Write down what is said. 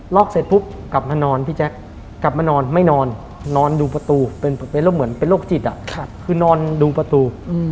อกเสร็จปุ๊บกลับมานอนพี่แจ๊คกลับมานอนไม่นอนนอนดูประตูเป็นโรคเหมือนเป็นโรคจิตคือนอนดูประตู